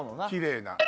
きれいな。